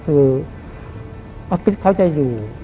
คือออฟฟิศเขาจะอยู่